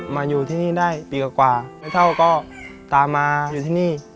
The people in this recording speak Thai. มาอยู่ที่นี่ได้ปีกว่าแม่เท่าก็ตามมาอยู่ที่นี่